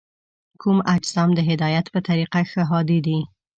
کوم اجسام د هدایت په طریقه ښه هادي دي؟